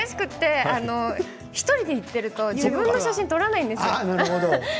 １人で行っていると自分の写真は撮らないですよね。